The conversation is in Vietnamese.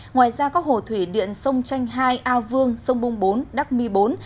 ngoài ra các hồ thủy điện sông tranh hai a vương sông bung bốn đắc my bốn